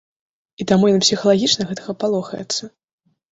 І таму ён псіхалагічна гэтага палохаецца.